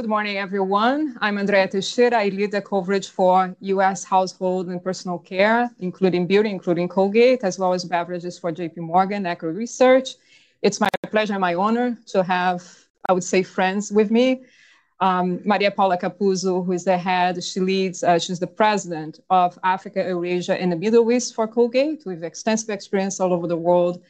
Good morning, everyone. I'm Andrea Teixeira. I lead the coverage for U.S. household and personal care, including beauty, including Colgate, as well as beverages for JPMorgan Equity Research. It's my pleasure and my honor to have, I would say, friends with me. Maria Paula Capuzzo, who is the head, she leads, she's the president of Africa, Eurasia, and the Middle East for Colgate, with extensive experience all over the world,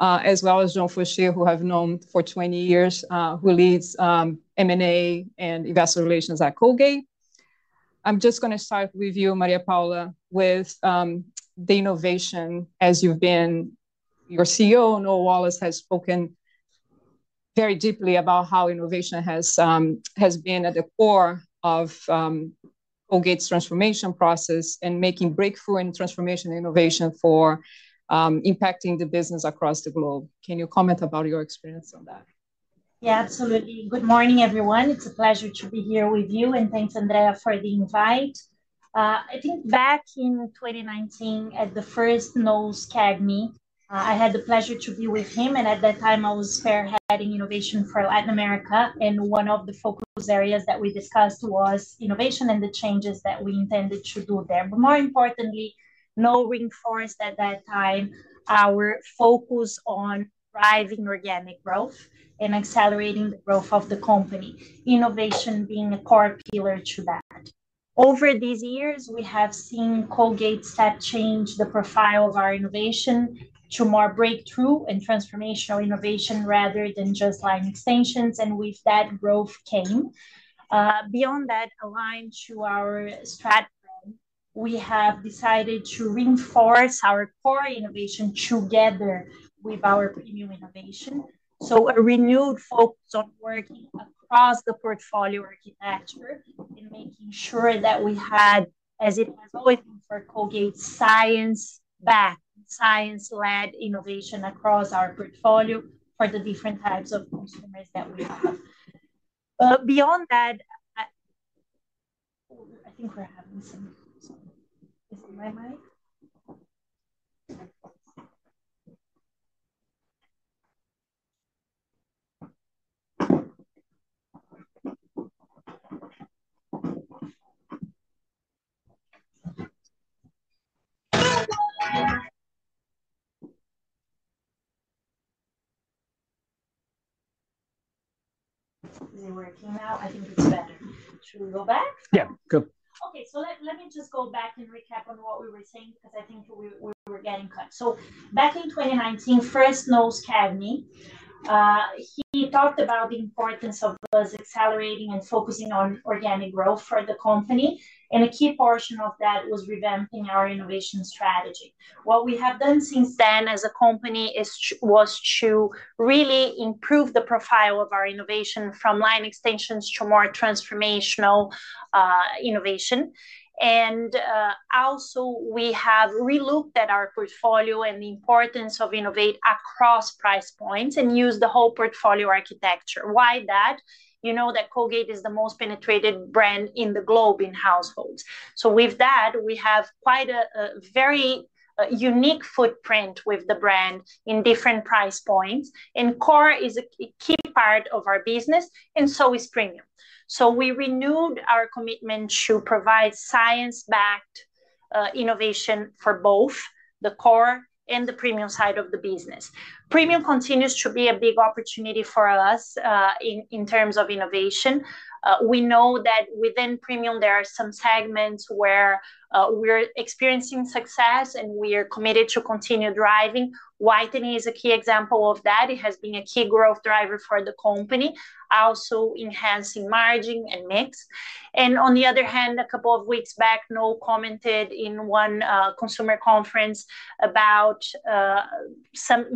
as well as John Faucher, who I've known for 20 years, who leads, M&A and investor relations at Colgate. I'm just gonna start with you, Maria Paula, with the innovation. Your CEO, Noel Wallace, has spoken very deeply about how innovation has been at the core of Colgate's transformation process and making breakthrough and transformational innovation for impacting the business across the globe. Can you comment about your experience on that? Yeah, absolutely. Good morning, everyone. It's a pleasure to be here with you, and thanks, Andrea, for the invite. I think back in twenty nineteen, at the first Noel's CAGNY, I had the pleasure to be with him, and at that time I was spearheading innovation for Latin America, and one of the focus areas that we discussed was innovation and the changes that we intended to do there. But more importantly, Noel reinforced at that time our focus on driving organic growth and accelerating the growth of the company, innovation being a core pillar to that. Over these years, we have seen Colgate step change the profile of our innovation to more breakthrough and transformational innovation, rather than just line extensions, and with that, growth came. Beyond that, aligned to our strategy, we have decided to reinforce our core innovation together with our premium innovation. So a renewed focus on working across the portfolio architecture and making sure that we had, as it has always been for Colgate, science-backed, science-led innovation across our portfolio for the different types of consumers that we have. Beyond that. Oh, I think we're having some, is it my mic? Is it working now? I think it's better. Should we go back? Yeah, go. Okay, so let me just go back and recap on what we were saying, because I think we were getting cut. So back in twenty nineteen, first, Noel's CAGNY, he talked about the importance of us accelerating and focusing on organic growth for the company, and a key portion of that was revamping our innovation strategy. What we have done since then as a company is to was to really improve the profile of our innovation from line extensions to more transformational innovation. And also we have re-looked at our portfolio and the importance of innovate across price points and use the whole portfolio architecture. Why that? You know that Colgate is the most penetrated brand in the globe in households. With that, we have quite a very unique footprint with the brand in different price points, and core is a key part of our business and so is premium. We renewed our commitment to provide science-backed innovation for both the core and the premium side of the business. Premium continues to be a big opportunity for us in terms of innovation. We know that within premium there are some segments where we're experiencing success, and we are committed to continue driving. Whitening is a key example of that. It has been a key growth driver for the company, also enhancing margin and mix. On the other hand, a couple of weeks back, Noel commented in one consumer conference about some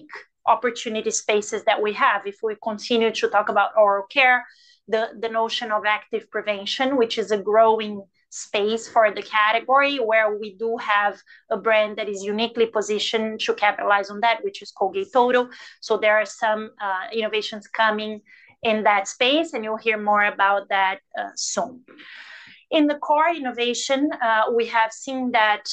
unique opportunity spaces that we have. If we continue to talk about oral care, the notion of active prevention, which is a growing space for the category, where we do have a brand that is uniquely positioned to capitalize on that, which is Colgate Total. So there are some innovations coming in that space, and you'll hear more about that soon. In the core innovation, we have seen that,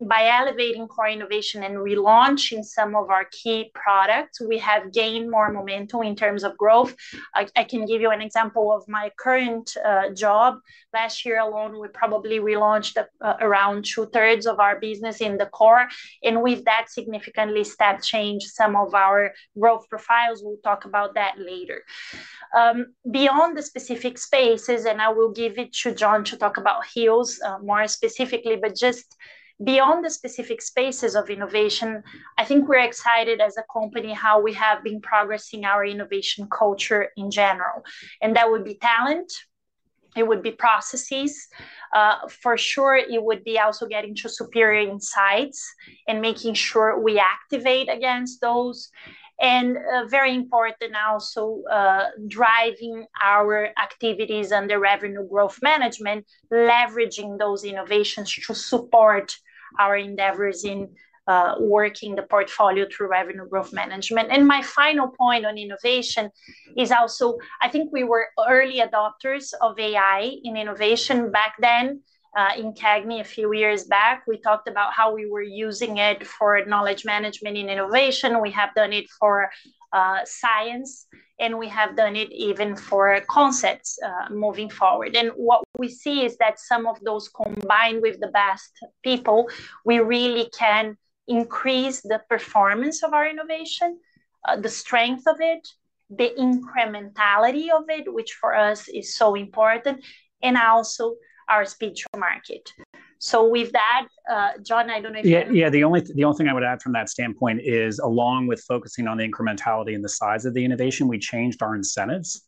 by elevating core innovation and relaunching some of our key products, we have gained more momentum in terms of growth. I can give you an example of my current job. Last year alone, we probably relaunched around two-thirds of our business in the core, and with that, significantly step change some of our growth profiles. We'll talk about that later. Beyond the specific spaces, and I will give it to John to talk about Hills, more specifically, but just beyond the specific spaces of innovation, I think we're excited as a company, how we have been progressing our innovation culture in general, and that would be talent, it would be processes. For sure, it would be also getting to superior insights and making sure we activate against those, and very important also, driving our activities and the revenue growth management, leveraging those innovations to support our endeavors in working the portfolio through revenue growth management. And my final point on innovation is also, I think we were early adopters of AI in innovation back then. In CAGNY, a few years back, we talked about how we were using it for knowledge management and innovation. We have done it for science, and we have done it even for concepts moving forward. And what we see is that some of those, combined with the best people, we really can increase the performance of our innovation, the strength of it, the incrementality of it, which for us is so important, and also our speed to market. So with that, John, I don't know if you- Yeah, yeah, the only thing I would add from that standpoint is, along with focusing on the incrementality and the size of the innovation, we changed our incentives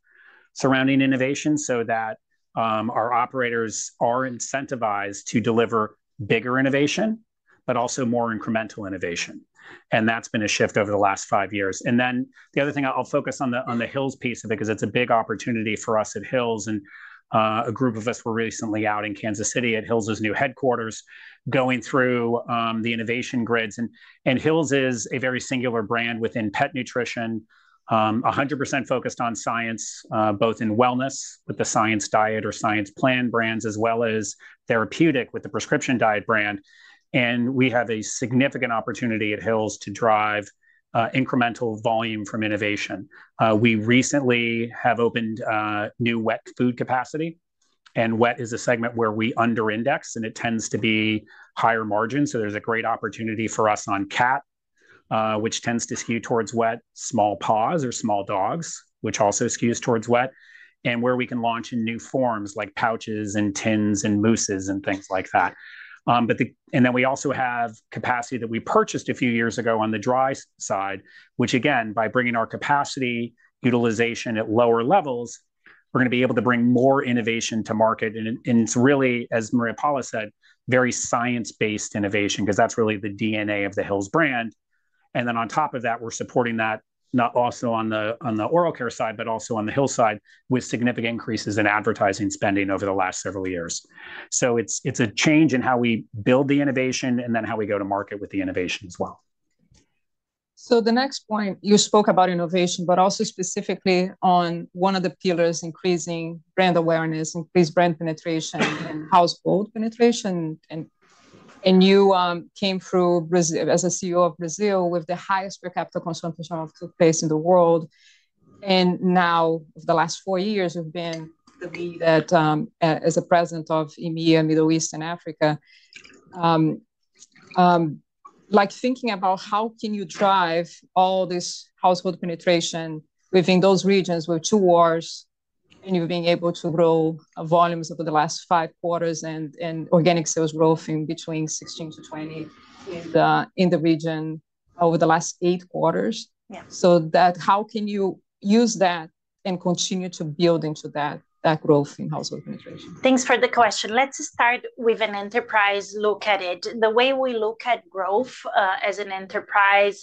surrounding innovation so that our operators are incentivized to deliver bigger innovation, but also more incremental innovation. And that's been a shift over the last five years. And then, the other thing, I'll focus on the Hill's piece of it, because it's a big opportunity for us at Hill's. And a group of us were recently out in Kansas City at Hill's new headquarters, going through the innovation grids. And Hill's is a very singular brand within pet nutrition. 100% focused on science, both in wellness with the Science Diet or Science Plan brands, as well as therapeutic with the Prescription Diet brand. And we have a significant opportunity at Hill's to drive incremental volume from innovation. We recently have opened new wet food capacity, and wet is a segment where we under-index, and it tends to be higher margin, so there's a great opportunity for us on cat, which tends to skew towards wet, small paws or small dogs, which also skews towards wet, and where we can launch in new forms, like pouches and tins and mousses and things like that. And then we also have capacity that we purchased a few years ago on the dry side, which again, by bringing our capacity utilization at lower levels, we're gonna be able to bring more innovation to market. And it's really, as Maria Paula said, very science-based innovation, because that's really the DNA of the Hill's brand. And then, on top of that, we're supporting that, not only on the oral care side, but also on the Hill's side, with significant increases in advertising spending over the last several years. So it's a change in how we build the innovation and then how we go to market with the innovation as well. So the next point, you spoke about innovation, but also specifically on one of the pillars, increasing brand awareness, increase brand penetration and household penetration. And you came through as a CEO of Brazil with the highest per capita consumption of toothpaste in the world, and now the last four years have been the lead at as a president of EMEA, Middle East and Africa. Like thinking about how can you drive all this household penetration within those regions with two wars, and you being able to grow volumes over the last five quarters and organic sales growth in between 16%-20% in the region over the last eight quarters? Yeah. So that, how can you use that and continue to build into that, that growth in household penetration? Thanks for the question. Let's start with an enterprise look at it. The way we look at growth, as an enterprise,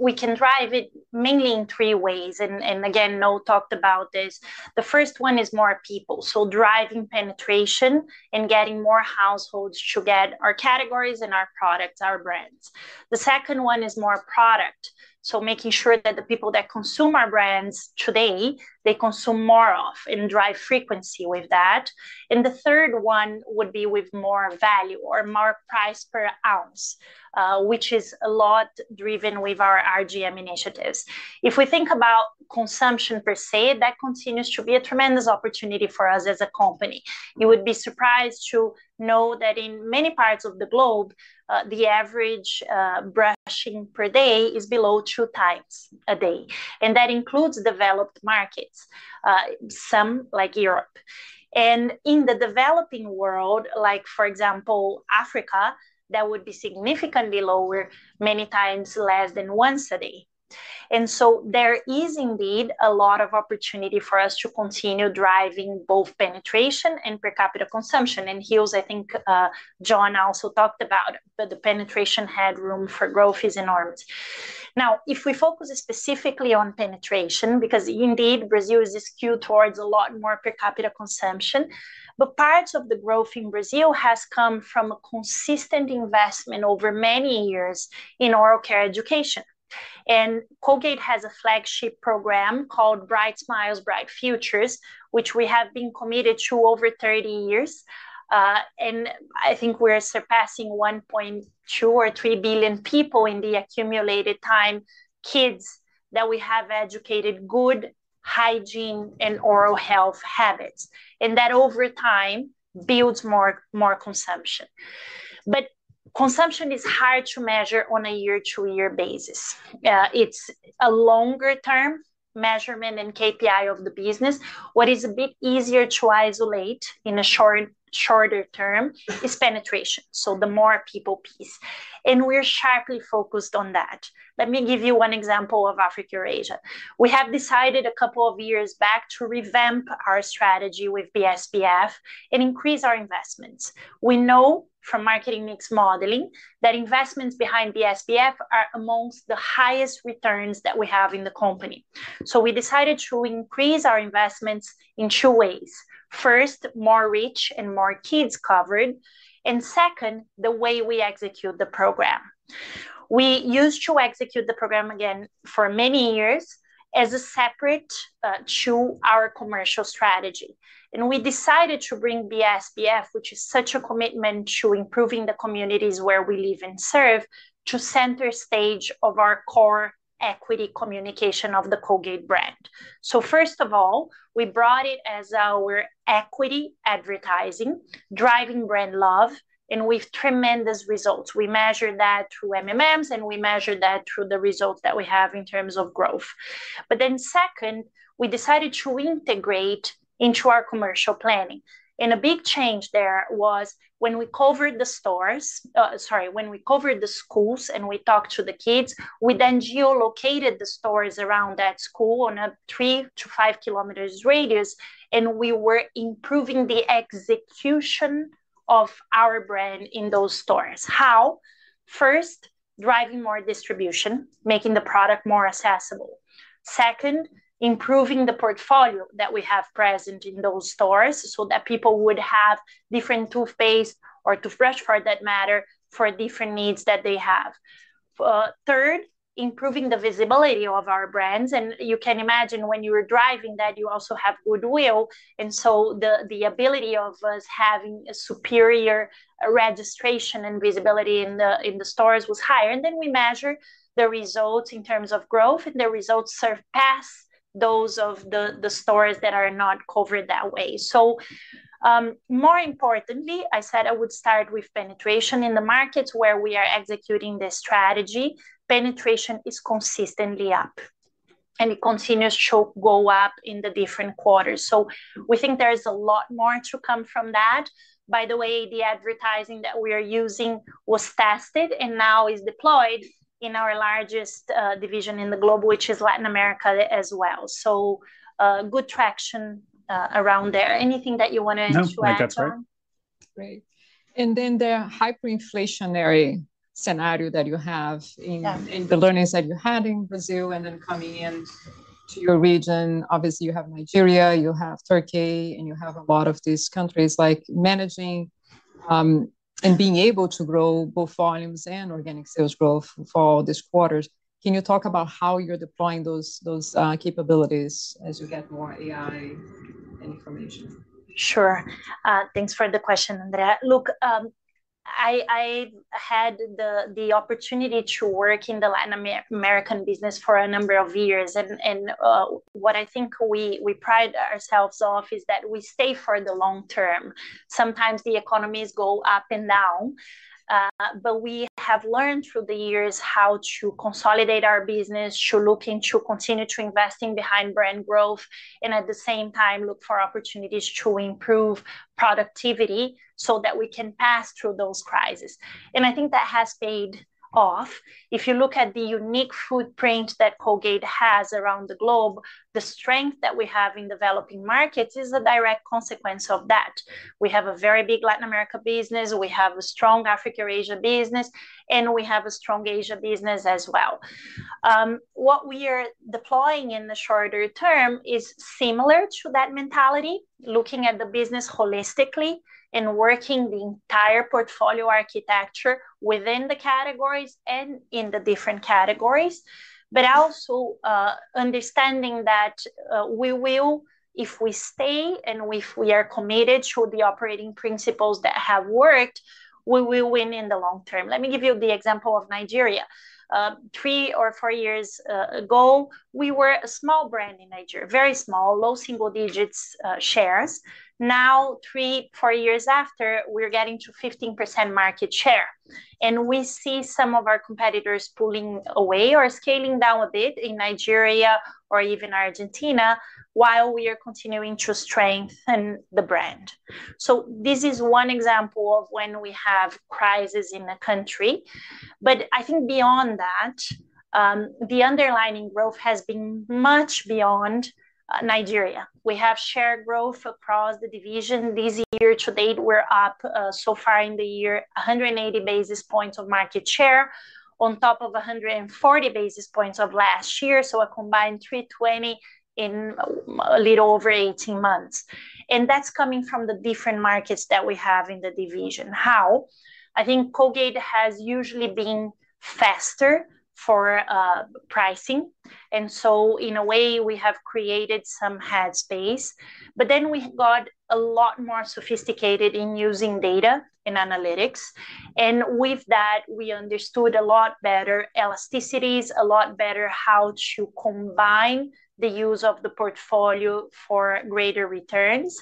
we can drive it mainly in three ways, and again, Noel talked about this. The first one is more people, so driving penetration and getting more households to get our categories and our products, our brands. The second one is more product, so making sure that the people that consume our brands today, they consume more of and drive frequency with that. And the third one would be with more value or more price per ounce, which is a lot driven with our RGM initiatives. If we think about consumption per se, that continues to be a tremendous opportunity for us as a company. You would be surprised to know that in many parts of the globe, the average brushing per day is below two times a day, and that includes developed markets, some like Europe, and in the developing world, like, for example, Africa, that would be significantly lower, many times less than once a day, and so there is indeed a lot of opportunity for us to continue driving both penetration and per capita consumption. And Hills, I think, John also talked about, that the penetration headroom for growth is enormous. Now, if we focus specifically on penetration, because indeed Brazil is skewed towards a lot more per capita consumption, but parts of the growth in Brazil has come from a consistent investment over many years in oral care education. Colgate has a flagship program called Bright Smiles, Bright Futures, which we have been committed to over thirty years. I think we're surpassing 1.2 billion or 3 billion people in the accumulated time, kids that we have educated good hygiene and oral health habits, and that, over time, builds more, more consumption. But consumption is hard to measure on a year-to-year basis. It's a longer term measurement and KPI of the business. What is a bit easier to isolate in a short, shorter term is penetration, so the more people we reach, and we're sharply focused on that. Let me give you one example of Africa Eurasia. We have decided a couple of years back to revamp our strategy with BSBF and increase our investments. We know from marketing mix modeling that investments behind BSBF are among the highest returns that we have in the company. So we decided to increase our investments in two ways. First, more reach and more kids covered, and second, the way we execute the program. We used to execute the program again for many years as a separate to our commercial strategy. And we decided to bring BSBF, which is such a commitment to improving the communities where we live and serve, to center stage of our core equity communication of the Colgate brand. So first of all, we brought it as our equity advertising, driving brand love, and with tremendous results. We measured that through MMMs, and we measured that through the results that we have in terms of growth. But then second, we decided to integrate into our commercial planning. And a big change there was when we covered the schools and we talked to the kids, we then geo-located the stores around that school on a three to five kilometers radius, and we were improving the execution of our brand in those stores. How? First, driving more distribution, making the product more accessible. Second, improving the portfolio that we have present in those stores, so that people would have different toothpaste or toothbrushes for that matter, for different needs that they have. Third, improving the visibility of our brands. And you can imagine when you are driving that you also have goodwill, and so the ability of us having a superior registration and visibility in the stores was higher. And then we measured the results in terms of growth, and the results surpassed those of the stores that are not covered that way. So, more importantly, I said I would start with penetration in the markets where we are executing this strategy. Penetration is consistently up, and it continues to go up in the different quarters. So we think there is a lot more to come from that. By the way, the advertising that we are using was tested and now is deployed in our largest division in the globe, which is Latin America as well. So, good traction around there. Anything that you wanted to add, John? No, I think that's all. Great. And then the hyperinflationary scenario that you have in- Yeah... in the learnings that you had in Brazil, and then coming into your region, obviously, you have Nigeria, you have Turkey, and you have a lot of these countries, like, managing, and being able to grow both volumes and organic sales growth for these quarters. Can you talk about how you're deploying those capabilities as you get more AI and information? Sure. Thanks for the question, Andrea. Look, I had the opportunity to work in the Latin American business for a number of years, and what I think we pride ourselves on is that we stay for the long term. Sometimes the economies go up and down, but we have learned through the years how to consolidate our business, to continue to invest behind brand growth, and at the same time look for opportunities to improve productivity so that we can pass through those crises. I think that has paid off. If you look at the unique footprint that Colgate has around the globe, the strength that we have in developing markets is a direct consequence of that. We have a very big Latin America business, we have a strong Africa-Eurasia business, and we have a strong Asia business as well. What we are deploying in the shorter term is similar to that mentality, looking at the business holistically and working the entire portfolio architecture within the categories and in the different categories, but also, understanding that, we will if we stay and if we are committed to the operating principles that have worked, we will win in the long term. Let me give you the example of Nigeria. Three or four years ago, we were a small brand in Nigeria, very small, low single digits shares. Now, three, four years after, we're getting to 15% market share, and we see some of our competitors pulling away or scaling down a bit in Nigeria or even Argentina, while we are continuing to strengthen the brand, so this is one example of when we have crises in the country, but I think beyond that, the underlying growth has been much beyond Nigeria. We have shared growth across the division. This year to date, we're up so far in the year, 180 basis points of market share, on top of 140 basis points of last year, so a combined 320 in a little over 18 months. And that's coming from the different markets that we have in the division. How? I think Colgate has usually been faster for, pricing, and so in a way we have created some headspace, but then we got a lot more sophisticated in using data and analytics, and with that, we understood a lot better elasticities, a lot better how to combine the use of the portfolio for greater returns,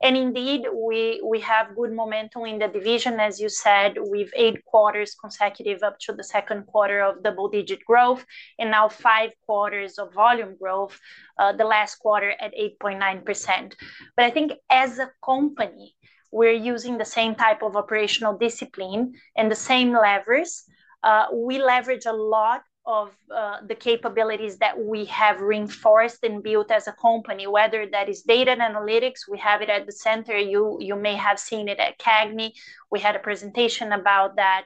and indeed, we have good momentum in the division. As you said, we've eight quarters consecutive up to the second quarter of double-digit growth, and now five quarters of volume growth, the last quarter at 8.9%. But I think as a company, we're using the same type of operational discipline and the same levers. We leverage a lot of the capabilities that we have reinforced and built as a company, whether that is data and analytics, we have it at the center. You may have seen it at CAGNY. We had a presentation about that,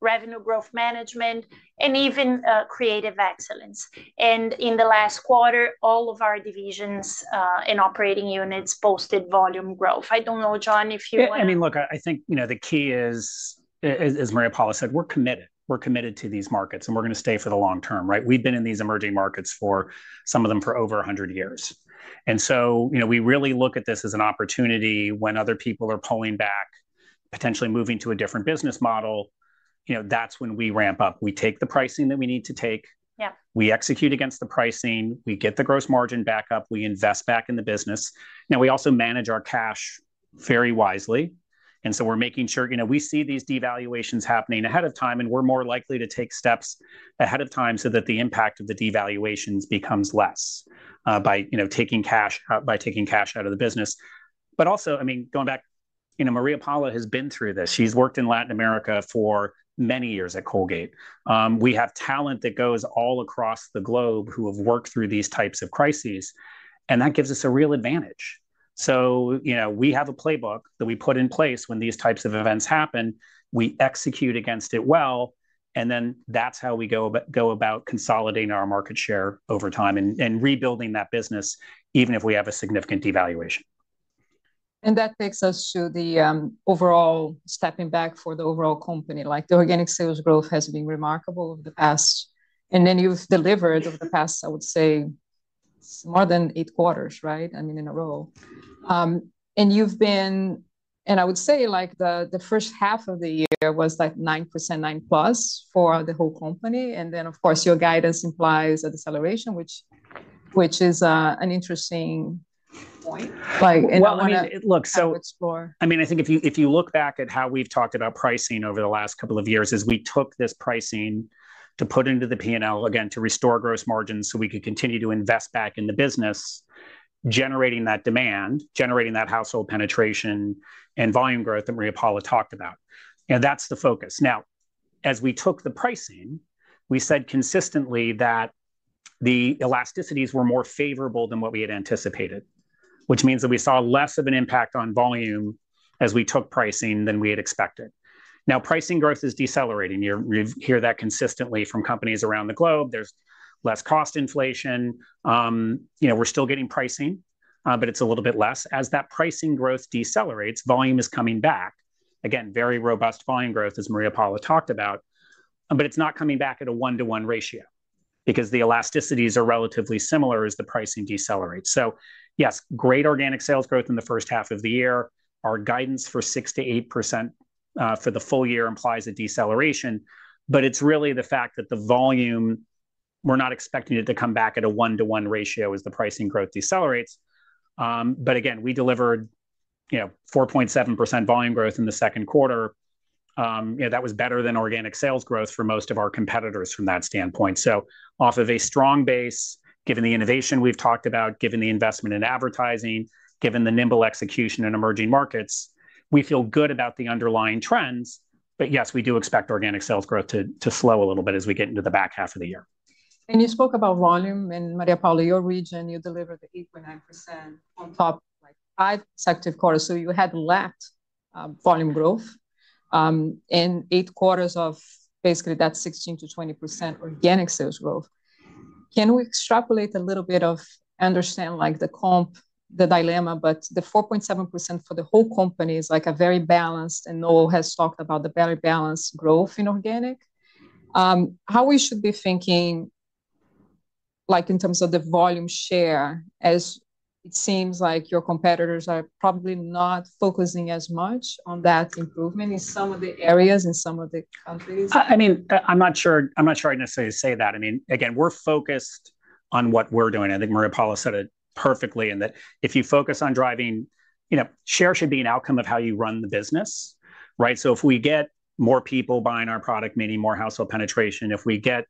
revenue growth management, and even creative excellence. And in the last quarter, all of our divisions and operating units posted volume growth. I don't know, John, if you- I mean, look, I think, you know, the key is, as Maria Paula said, we're committed. We're committed to these markets, and we're gonna stay for the long term, right? We've been in these emerging markets for some of them for over 100 years, and so, you know, we really look at this as an opportunity when other people are pulling back, potentially moving to a different business model, you know, that's when we ramp up. We take the pricing that we need to take- Yeah... we execute against the pricing, we get the gross margin back up, we invest back in the business. Now, we also manage our cash very wisely, and so we're making sure, you know, we see these devaluations happening ahead of time, and we're more likely to take steps ahead of time so that the impact of the devaluations becomes less, by, you know, taking cash out, by taking cash out of the business. But also, I mean, going back, you know, Maria Paula has been through this. She's worked in Latin America for many years at Colgate. We have talent that goes all across the globe who have worked through these types of crises, and that gives us a real advantage. So, you know, we have a playbook that we put in place when these types of events happen. We execute against it well, and then that's how we go about consolidating our market share over time and rebuilding that business, even if we have a significant devaluation. And that takes us to the overall... stepping back for the overall company. Like, the organic sales growth has been remarkable over the past, and then you've delivered over the past, I would say, more than eight quarters, right? I mean, in a row. And you've been and I would say, like, the first half of the year was, like, 9%, 9-plus for the whole company, and then, of course, your guidance implies a deceleration, which is an interesting point. Like, and I wanna- Well, I mean, it looks- - explore. I mean, I think if you, if you look back at how we've talked about pricing over the last couple of years, is we took this pricing to put into the P&L, again, to restore gross margins so we could continue to invest back in the business, generating that demand, generating that household penetration and volume growth that Maria Paula talked about. You know, that's the focus. Now, as we took the pricing, we said consistently that the elasticities were more favorable than what we had anticipated, which means that we saw less of an impact on volume as we took pricing than we had expected. Now, pricing growth is decelerating. We've heard that consistently from companies around the globe. There's less cost inflation. You know, we're still getting pricing, but it's a little bit less. As that pricing growth decelerates, volume is coming back. Again, very robust volume growth, as Maria Paula talked about, but it's not coming back at a one-to-one ratio because the elasticities are relatively similar as the pricing decelerates. So yes, great organic sales growth in the first half of the year. Our guidance for 6%-8% for the full year implies a deceleration, but it's really the fact that the volume, we're not expecting it to come back at a one-to-one ratio as the pricing growth decelerates. But again, we delivered, you know, 4.7% volume growth in the second quarter. You know, that was better than organic sales growth for most of our competitors from that standpoint. So off of a strong base, given the innovation we've talked about, given the investment in advertising, given the nimble execution in emerging markets, we feel good about the underlying trends. Yes, we do expect organic sales growth to slow a little bit as we get into the back half of the year. You spoke about volume, and Maria Paula, your region, you delivered the 8.9% on top of, like, five successive quarters. You had lacked volume growth in eight quarters of... basically, that's 16%-20% organic sales growth. Can we extrapolate a little bit of understand, like, the comp, the dilemma, but the 4.7% for the whole company is, like, a very balanced, and Noel has talked about the better balanced growth in organic. How we should be thinking, like, in terms of the volume share, as it seems like your competitors are probably not focusing as much on that improvement in some of the areas, in some of the countries? I mean, I'm not sure I'd necessarily say that. I mean, again, we're focused on what we're doing. I think Maria Paula said it perfectly in that if you focus on driving... You know, share should be an outcome of how you run the business, right? So if we get more people buying our product, meaning more household penetration, if we get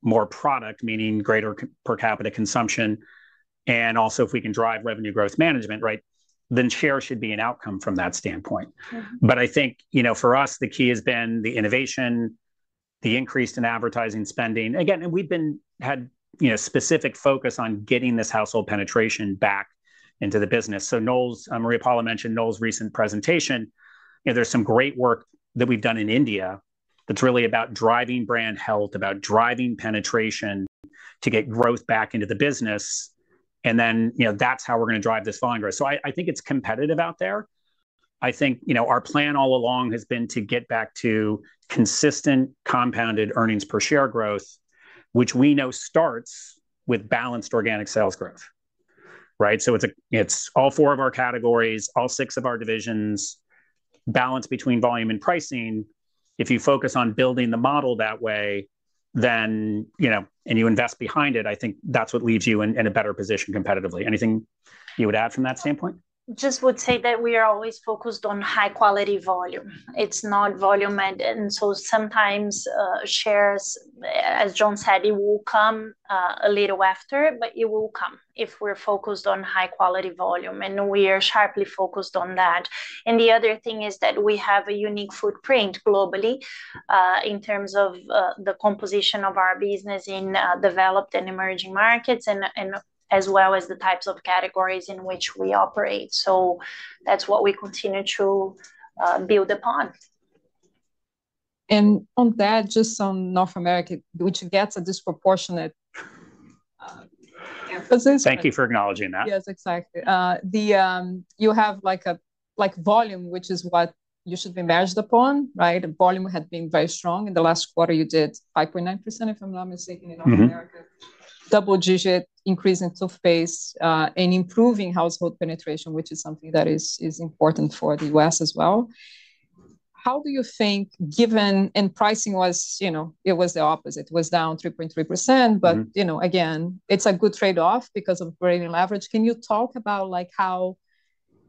more product, meaning greater per capita consumption, and also, if we can drive revenue growth management, right, then share should be an outcome from that standpoint. Mm-hmm. But I think, you know, for us, the key has been the innovation, the increase in advertising spending. Again, and we've had, you know, specific focus on getting this household penetration back into the business. So Noel's, Maria Paula mentioned Noel's recent presentation, you know, there's some great work that we've done in India that's really about driving brand health, about driving penetration to get growth back into the business, and then, you know, that's how we're gonna drive this volume growth. So I think it's competitive out there. I think, you know, our plan all along has been to get back to consistent compounded earnings per share growth, which we know starts with balanced organic sales growth, right? So it's all four of our categories, all six of our divisions, balance between volume and pricing. If you focus on building the model that way, then, you know, and you invest behind it, I think that's what leaves you in a better position competitively. Anything you would add from that standpoint? just would say that we are always focused on high-quality volume. It's not volume added, and so sometimes, shares, as John said, it will come, a little after, but it will come if we're focused on high-quality volume, and we are sharply focused on that. The other thing is that we have a unique footprint globally, in terms of, the composition of our business in, developed and emerging markets and as well as the types of categories in which we operate. That's what we continue to, build upon.... And on that, just on North America, which gets a disproportionate emphasis. Thank you for acknowledging that. Yes, exactly. You have like a, like, volume, which is what you should be measured upon, right? The volume had been very strong. In the last quarter, you did 5.9%, if I'm not mistaken, in North America. Mm-hmm. Double-digit increase in share, and improving household penetration, which is something that is important for the U.S. as well. How do you think, given and pricing was, you know, it was the opposite, it was down 3.3%. Mm-hmm. But, you know, again, it's a good trade-off because of operating leverage. Can you talk about, like, how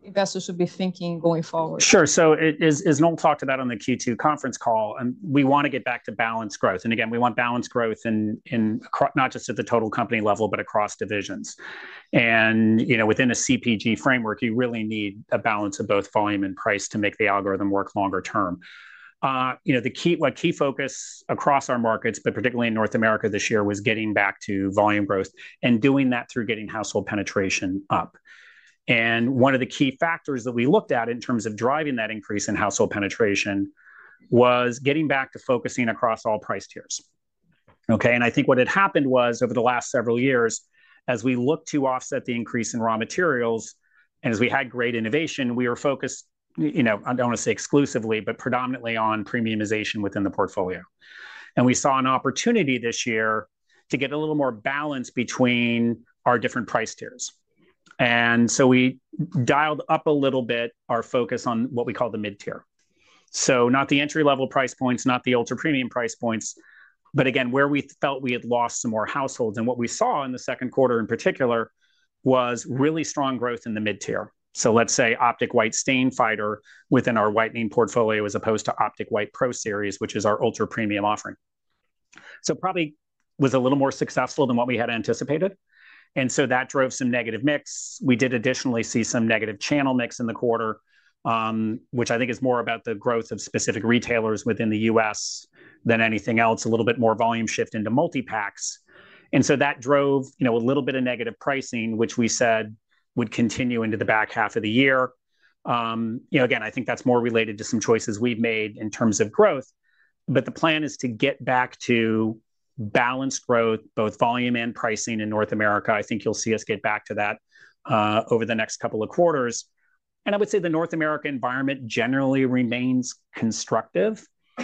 investors should be thinking going forward? Sure. So it, as Noel talked about on the Q2 conference call, and we want to get back to balanced growth. And again, we want balanced growth in, not just at the total company level, but across divisions. And, you know, within a CPG framework, you really need a balance of both volume and price to make the algorithm work longer term. You know, a key focus across our markets, but particularly in North America this year, was getting back to volume growth and doing that through getting household penetration up. And one of the key factors that we looked at in terms of driving that increase in household penetration was getting back to focusing across all price tiers. Okay, and I think what had happened was, over the last several years, as we looked to offset the increase in raw materials, and as we had great innovation, we were focused, you know, I don't want to say exclusively, but predominantly on premiumization within the portfolio. And we saw an opportunity this year to get a little more balance between our different price tiers. And so we dialed up a little bit our focus on what we call the mid-tier. So not the entry-level price points, not the ultra-premium price points, but again, where we felt we had lost some more households. And what we saw in the second quarter, in particular, was really strong growth in the mid-tier. So let's say Optic White Stain Fighter within our whitening portfolio, as opposed to Optic White Pro Series, which is our ultra-premium offering. So probably was a little more successful than what we had anticipated, and so that drove some negative mix. We did additionally see some negative channel mix in the quarter, which I think is more about the growth of specific retailers within the U.S. than anything else. A little bit more volume shift into multipacks, and so that drove, you know, a little bit of negative pricing, which we said would continue into the back half of the year. You know, again, I think that's more related to some choices we've made in terms of growth, but the plan is to get back to balanced growth, both volume and pricing in North America. I think you'll see us get back to that over the next couple of quarters. And I would say the North America environment generally remains constructive. You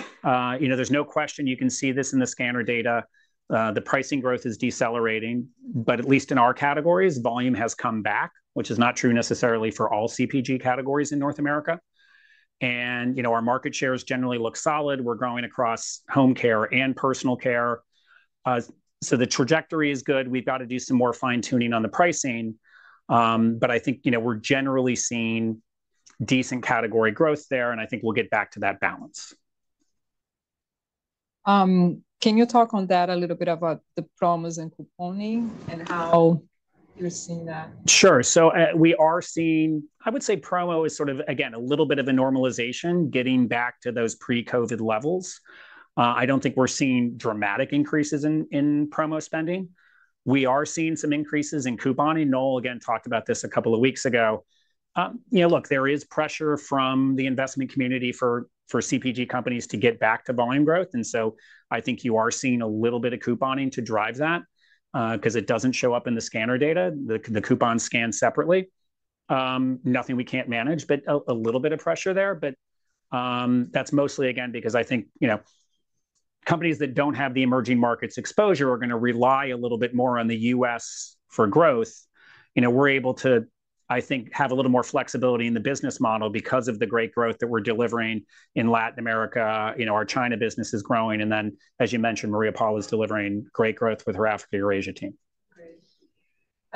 know, there's no question, you can see this in the scanner data, the pricing growth is decelerating, but at least in our categories, volume has come back, which is not true necessarily for all CPG categories in North America, and you know, our market shares generally look solid. We're growing across home care and personal care, so the trajectory is good. We've got to do some more fine-tuning on the pricing, but I think, you know, we're generally seeing decent category growth there, and I think we'll get back to that balance. Can you talk on that a little bit about the promos and couponing, and how you're seeing that? Sure. So, we are seeing. I would say promo is sort of, again, a little bit of a normalization, getting back to those pre-COVID levels. I don't think we're seeing dramatic increases in promo spending. We are seeing some increases in couponing. Noel, again, talked about this a couple of weeks ago. You know, look, there is pressure from the investment community for CPG companies to get back to volume growth, and so I think you are seeing a little bit of couponing to drive that, because it doesn't show up in the scanner data. The coupons scan separately. Nothing we can't manage, but a little bit of pressure there, but that's mostly, again, because I think, you know, companies that don't have the emerging markets exposure are going to rely a little bit more on the U.S. for growth. You know, we're able to, I think, have a little more flexibility in the business model because of the great growth that we're delivering in Latin America. You know, our China business is growing, and then, as you mentioned, Maria Paula is delivering great growth with her Africa Eurasia team.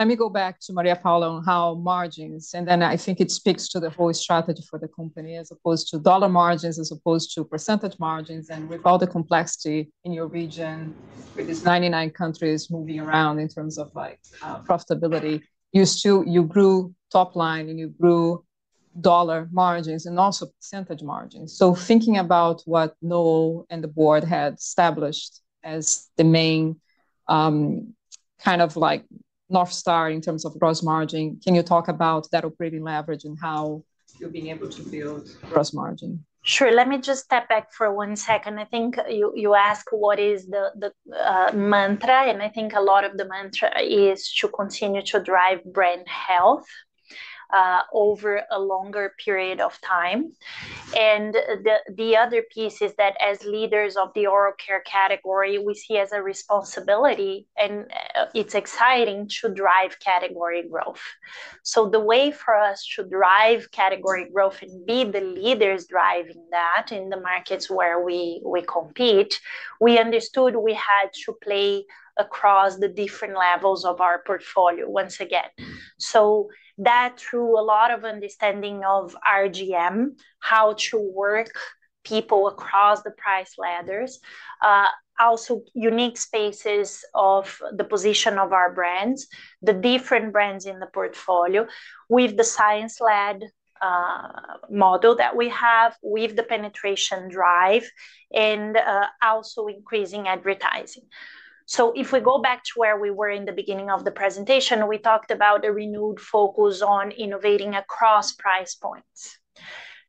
Great. Let me go back to Maria Paula on how margins, and then I think it speaks to the whole strategy for the company, as opposed to dollar margins, as opposed to percentage margins, and with all the complexity in your region, with these ninety-nine countries moving around in terms of, like, profitability, you still you grew top line, and you grew dollar margins and also percentage margins, so thinking about what Noel and the board had established as the main, kind of like North Star in terms of gross margin, can you talk about that operating leverage and how you're being able to build gross margin? Sure, let me just step back for one second. I think you asked what is the mantra, and I think a lot of the mantra is to continue to drive brand health over a longer period of time, and the other piece is that as leaders of the oral care category, we see as a responsibility, and it's exciting to drive category growth, so the way for us to drive category growth and be the leaders driving that in the markets where we compete, we understood we had to play across the different levels of our portfolio once again. So that, through a lot of understanding of RGM, how to work people across the price ladders, also unique spaces of the position of our brands, the different brands in the portfolio, with the science-led model that we have, with the penetration drive and also increasing advertising. So if we go back to where we were in the beginning of the presentation, we talked about a renewed focus on innovating across price points...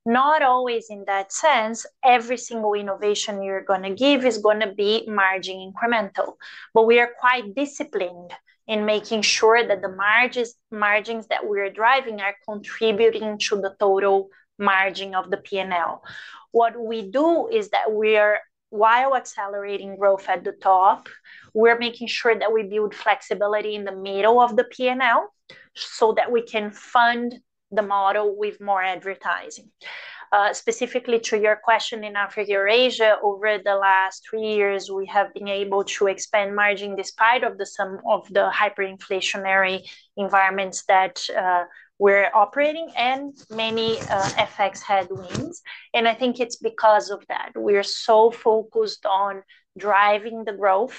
not always in that sense, every single innovation you're gonna give is gonna be margin incremental. But we are quite disciplined in making sure that the margins, margins that we're driving are contributing to the total margin of the P&L. What we do is that we are, while accelerating growth at the top, we're making sure that we build flexibility in the middle of the P&L, so that we can fund the model with more advertising. Specifically to your question, in Africa, Eurasia, over the last three years, we have been able to expand margin despite of the some of the hyperinflationary environments that we're operating and many FX headwinds, and I think it's because of that. We are so focused on driving the growth,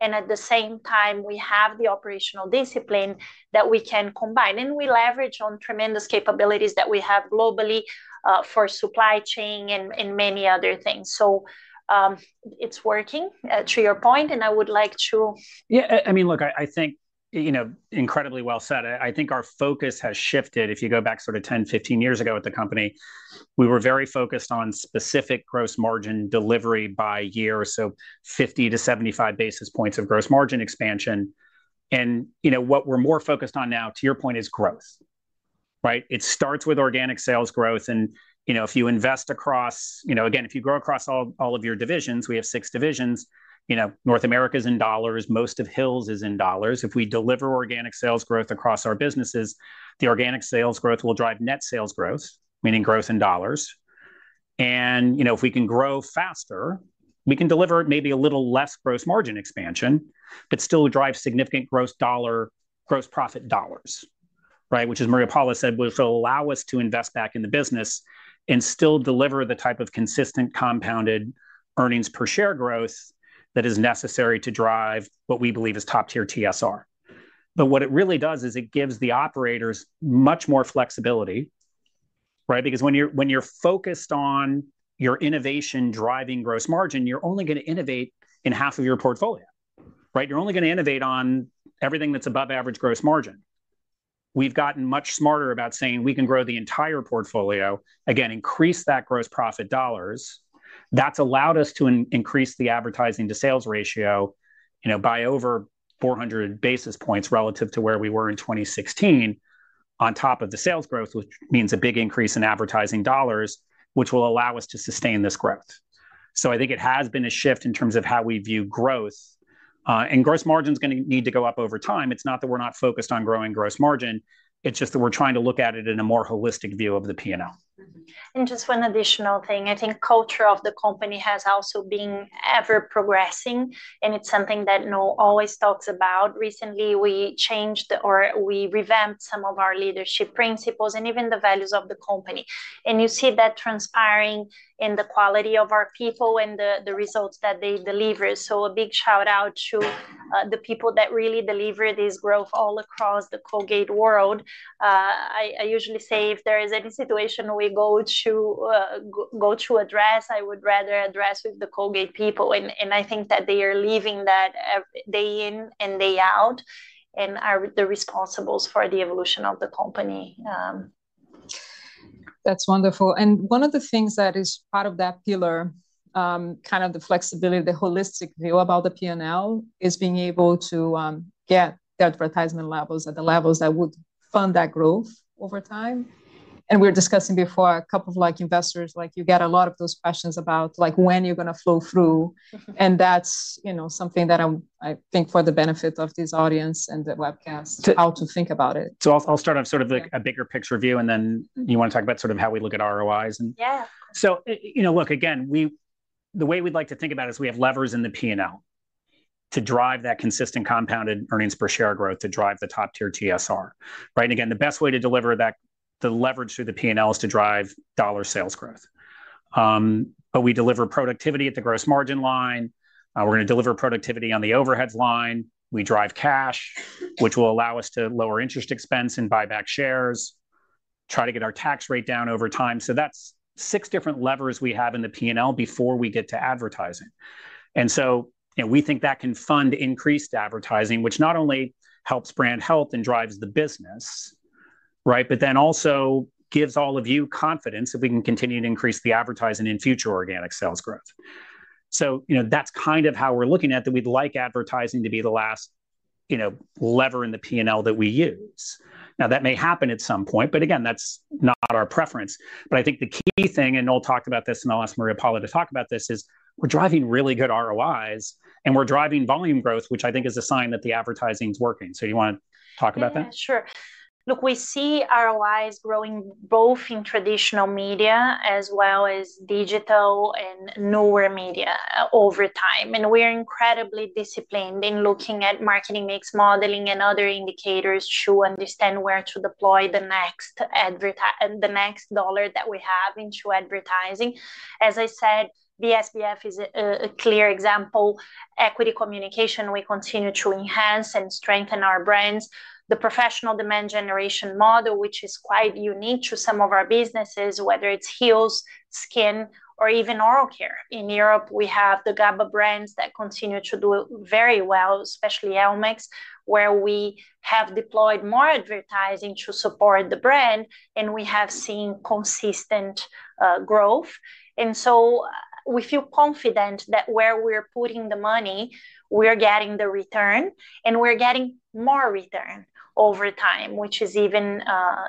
and at the same time, we have the operational discipline that we can combine, and we leverage on tremendous capabilities that we have globally for supply chain and many other things. So, it's working to your point, and I would like to- Yeah, I mean, look, I think, you know, incredibly well said. I think our focus has shifted. If you go back sort of 10, 15 years ago with the company, we were very focused on specific gross margin delivery by year, so 50 to 75 basis points of gross margin expansion, and, you know, what we're more focused on now, to your point, is growth, right? It starts with organic sales growth, and, you know, if you invest across... You know, again, if you grow across all of your divisions, we have six divisions. You know, North America is in dollars, most of Hills is in dollars. If we deliver organic sales growth across our businesses, the organic sales growth will drive net sales growth, meaning growth in dollars. You know, if we can grow faster, we can deliver maybe a little less gross margin expansion, but still drive significant gross dollar, gross profit dollars, right? Which, as Maria Paula said, will allow us to invest back in the business and still deliver the type of consistent compounded earnings per share growth that is necessary to drive what we believe is top-tier TSR. What it really does is it gives the operators much more flexibility, right? Because when you're focused on your innovation driving gross margin, you're only gonna innovate in half of your portfolio, right? You're only gonna innovate on everything that's above average gross margin. We've gotten much smarter about saying we can grow the entire portfolio, again, increase that gross profit dollars. That's allowed us to increase the advertising to sales ratio, you know, by over 400 basis points relative to where we were in 2016 on top of the sales growth, which means a big increase in advertising dollars, which will allow us to sustain this growth. So I think it has been a shift in terms of how we view growth, and gross margin's gonna need to go up over time. It's not that we're not focused on growing gross margin, it's just that we're trying to look at it in a more holistic view of the P&L. Just one additional thing, I think culture of the company has also been ever-progressing, and it's something that Noel always talks about. Recently, we changed, or we revamped some of our leadership principles and even the values of the company, and you see that transpiring in the quality of our people and the results that they deliver. A big shout-out to the people that really deliver this growth all across the Colgate world. I usually say if there is any situation we go to address, I would rather address with the Colgate people, and I think that they are living that every day in and day out, and are the responsibles for the evolution of the company. That's wonderful. And one of the things that is part of that pillar, kind of the flexibility, the holistic view about the P&L, is being able to, get the advertisement levels at the levels that would fund that growth over time. And we were discussing before, a couple of, like, investors, like, you get a lot of those questions about, like, when you're gonna flow through. And that's, you know, something that, I think for the benefit of this audience and the webcast- To- how to think about it. So I'll start off sort of like- Yeah... a bigger picture view, and then- Mm You wanna talk about sort of how we look at ROIs, and Yeah. So, you know, look, again, the way we'd like to think about it is we have levers in the P&L to drive that consistent compounded earnings per share growth, to drive the top-tier TSR, right? And again, the best way to deliver that, the leverage through the P&L, is to drive dollar sales growth. But we deliver productivity at the gross margin line. We're gonna deliver productivity on the overhead line. We drive cash, which will allow us to lower interest expense and buy back shares, try to get our tax rate down over time. So that's six different levers we have in the P&L before we get to advertising. And so, you know, we think that can fund increased advertising, which not only helps brand health and drives the business, right, but then also gives all of you confidence that we can continue to increase the advertising and future organic sales growth. So, you know, that's kind of how we're looking at that we'd like advertising to be the last, you know, lever in the P&L that we use. Now, that may happen at some point, but again, that's not our preference. But I think the key thing, and Noel talked about this, and I'll ask Maria Paula to talk about this, is we're driving really good ROIs, and we're driving volume growth, which I think is a sign that the advertising's working. So you wanna talk about that? Yeah, sure. Look, we see ROIs growing both in traditional media as well as digital and new media over time, and we are incredibly disciplined in looking at marketing mix modeling and other indicators to understand where to deploy the next dollar that we have into advertising. As I said, the BSBF is a clear example. Equity communication, we continue to enhance and strengthen our brands. The professional demand generation model, which is quite unique to some of our businesses, whether it's Hills, Skin, or even Oral Care. In Europe, we have the GABA brands that continue to do very well, especially Elmex, where we have deployed more advertising to support the brand, and we have seen consistent growth. We feel confident that where we're putting the money, we're getting the return, and we're getting more return over time, which is even.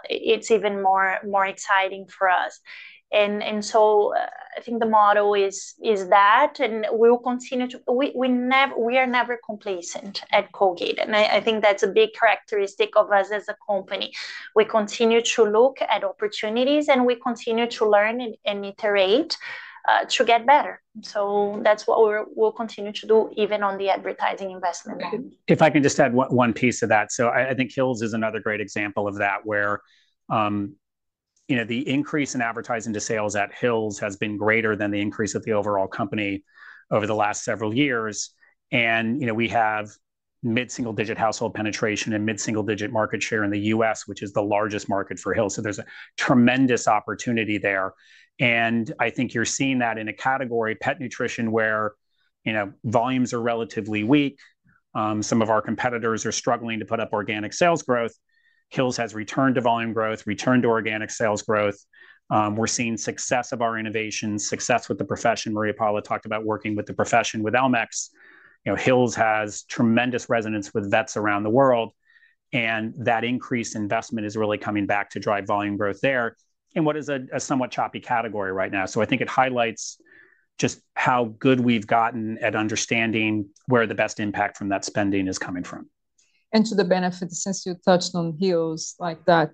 It's even more exciting for us. I think the model is that, and we will continue to. We are never complacent at Colgate, and I think that's a big characteristic of us as a company. We continue to look at opportunities, and we continue to learn and iterate to get better. So that's what we'll continue to do, even on the advertising investment. Yeah. If I can just add one piece to that. So I think Hill's is another great example of that, where, you know, the increase in advertising to sales at Hill's has been greater than the increase of the overall company over the last several years. And, you know, we have mid-single-digit household penetration and mid-single-digit market share in the U.S., which is the largest market for Hill's, so there's a tremendous opportunity there. And I think you're seeing that in a category, pet nutrition, where, you know, volumes are relatively weak. Some of our competitors are struggling to put up organic sales growth. Hill's has returned to volume growth, returned to organic sales growth. We're seeing success of our innovation, success with the profession. Maria Paula talked about working with the profession with Elmex. You know, Hill's has tremendous resonance with vets around the world, and that increased investment is really coming back to drive volume growth there, in what is a somewhat choppy category right now. So I think it highlights just how good we've gotten at understanding where the best impact from that spending is coming from. And to the benefit, since you touched on Hills, like, that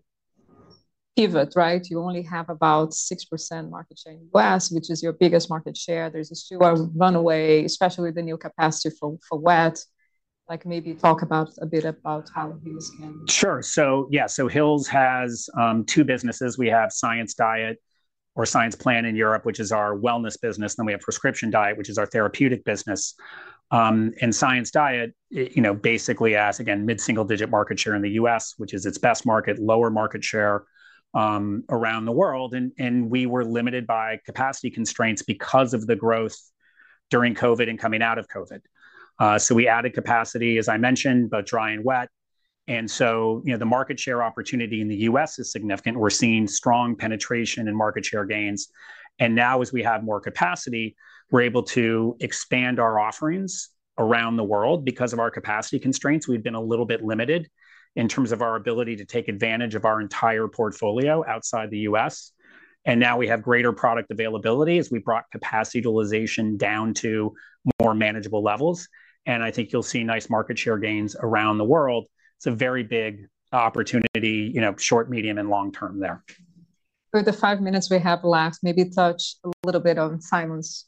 pivot, right? You only have about 6% market share in U.S., which is your biggest market share. There's a two-year runway, especially with the new capacity for wet. Like, maybe talk about a bit about how Hills can- Sure. So yeah, so Hill's has two businesses. We have Science Diet or Science Plan in Europe, which is our wellness business, then we have Prescription Diet, which is our therapeutic business. And Science Diet, it, you know, basically has, again, mid-single-digit market share in the U.S., which is its best market. Lower market share around the world, and we were limited by capacity constraints because of the growth during COVID and coming out of COVID. So we added capacity, as I mentioned, both dry and wet. And so, you know, the market share opportunity in the U.S. is significant. We're seeing strong penetration and market share gains. And now, as we have more capacity, we're able to expand our offerings around the world. Because of our capacity constraints, we've been a little bit limited in terms of our ability to take advantage of our entire portfolio outside the U.S., and now we have greater product availability as we brought capacity utilization down to more manageable levels, and I think you'll see nice market share gains around the world. It's a very big opportunity, you know, short, medium, and long term there. For the five minutes we have left, maybe touch a little bit on Simon's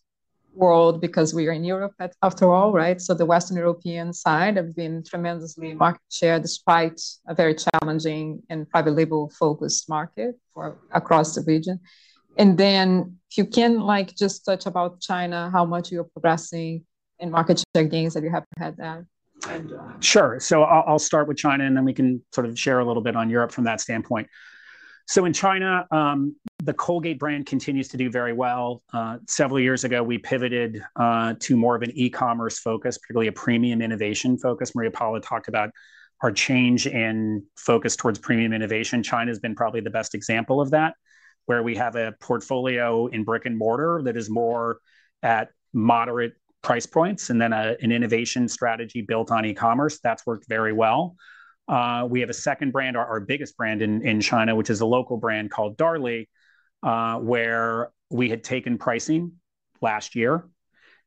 world, because we are in Europe after all, right? So the Western European side have been tremendously market share, despite a very challenging and private label-focused market for across the region. And then if you can, like, just touch about China, how much you're progressing in market share gains that you have had there, and, Sure. So I'll start with China, and then we can sort of share a little bit on Europe from that standpoint. So in China, the Colgate brand continues to do very well. Several years ago, we pivoted to more of an e-commerce focus, particularly a premium innovation focus. Maria Paula talked about our change in focus towards premium innovation. China's been probably the best example of that, where we have a portfolio in brick-and-mortar that is more at moderate price points, and then an innovation strategy built on e-commerce. That's worked very well. We have a second brand, our biggest brand in China, which is a local brand called Darlie, where we had taken pricing last year,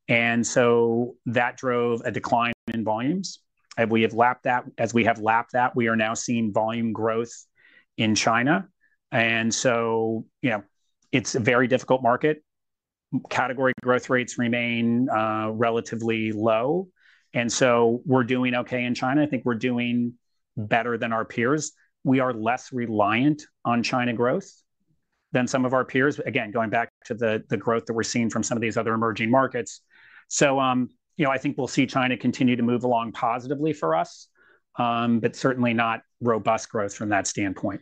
and so that drove a decline in volumes. We have lapped that... As we have lapped that, we are now seeing volume growth in China, and so, you know, it's a very difficult market. Category growth rates remain relatively low, and so we're doing okay in China. I think we're doing better than our peers. We are less reliant on China growth than some of our peers. Again, going back to the growth that we're seeing from some of these other emerging markets. So, you know, I think we'll see China continue to move along positively for us, but certainly not robust growth from that standpoint.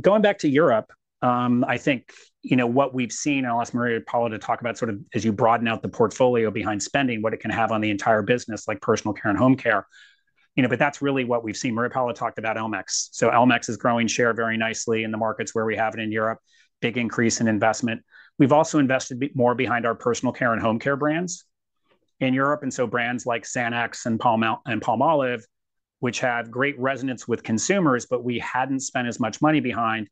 Going back to Europe, I think, you know, what we've seen, and I'll ask Maria Paula to talk about sort of as you broaden out the portfolio behind spending, what it can have on the entire business, like personal care and home care. You know, but that's really what we've seen. Maria Paula talked about Elmex. So Elmex is growing share very nicely in the markets where we have it in Europe, big increase in investment. We've also invested more behind our personal care and home care brands in Europe, and so brands like Sanex and Palmolive, which have great resonance with consumers, but we hadn't spent as much money behind.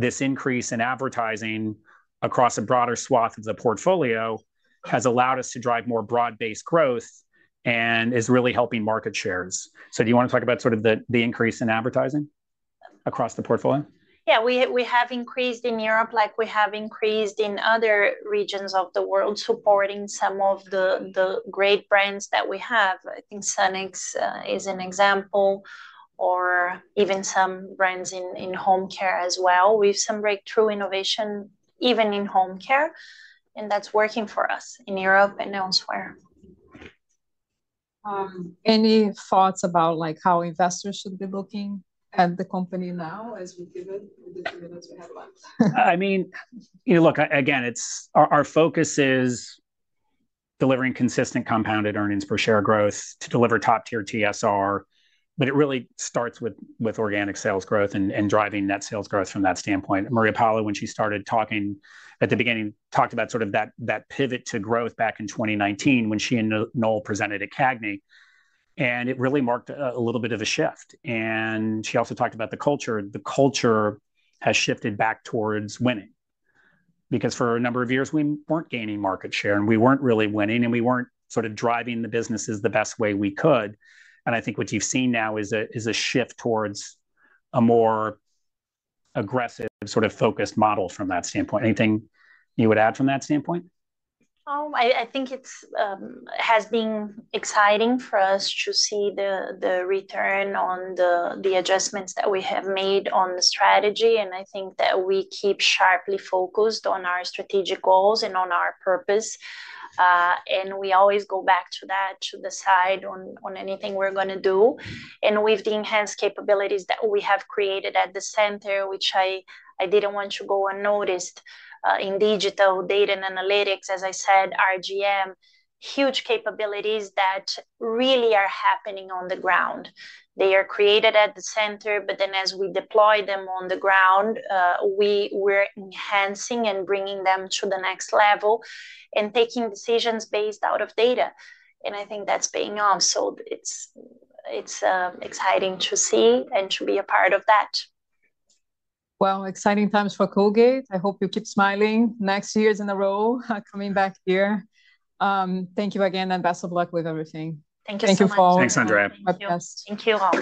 This increase in advertising across a broader swath of the portfolio has allowed us to drive more broad-based growth and is really helping market shares. So do you want to talk about sort of the increase in advertising across the portfolio? Yeah, we have increased in Europe, like we have increased in other regions of the world, supporting some of the great brands that we have. I think Sanex is an example, or even some brands in home care as well. We have some breakthrough innovation, even in home care, and that's working for us in Europe and elsewhere. Any thoughts about, like, how investors should be looking at the company now, as we pivot, in the two minutes we have left? I mean, you know, look, again, it's. Our focus is delivering consistent compounded earnings per share growth to deliver top-tier TSR, but it really starts with organic sales growth and driving net sales growth from that standpoint. Maria Paula, when she started talking at the beginning, talked about sort of that pivot to growth back in 2019 when she and Noel presented at CAGNY, and it really marked a little bit of a shift. And she also talked about the culture. The culture has shifted back towards winning, because for a number of years we weren't gaining market share, and we weren't really winning, and we weren't sort of driving the businesses the best way we could. And I think what you've seen now is a shift towards a more aggressive, sort of focused model from that standpoint. Anything you would add from that standpoint? I think it has been exciting for us to see the return on the adjustments that we have made on the strategy, and I think that we keep sharply focused on our strategic goals and on our purpose. We always go back to that to decide on anything we're gonna do. With the enhanced capabilities that we have created at the center, which I didn't want to go unnoticed, in digital data and analytics, as I said, RGM, huge capabilities that really are happening on the ground. They are created at the center, but then as we deploy them on the ground, we're enhancing and bringing them to the next level and making decisions based out of data, and I think that's paying off. So it's exciting to see and to be a part of that. Well, exciting times for Colgate. I hope you keep smiling next years in a row, coming back here. Thank you again, and best of luck with everything. Thank you so much. Thanks, Andrea. My best. Thank you all.